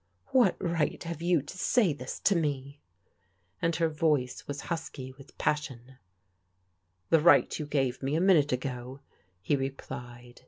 "What right have you to say this to me?" and her voice was husky with passion* The right you gave me a minute ago, he replied.